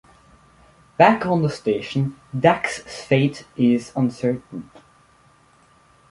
Back on the station, Dax's fate is uncertain.